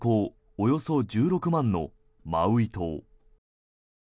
およそ１６万のマウイ島。